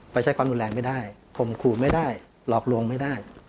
ไปใช้ความดูดแรงไม่ได้ผงขู่ไม่ได้หลอกลงไม่ได้